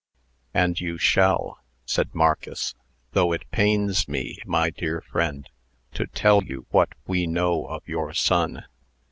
"And you shall," said Marcus, "though it pains me, my dear friend, to tell you what we know of your son.